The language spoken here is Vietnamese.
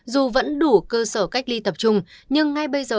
dù vẫn đủ cơ sở cách ly tập trung